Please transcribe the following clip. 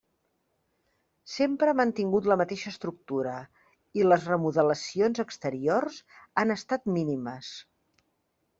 Sempre ha mantingut la mateixa estructura i les remodelacions exteriors han estat mínimes.